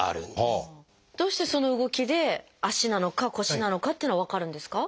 どうしてその動きで足なのか腰なのかっていうのが分かるんですか？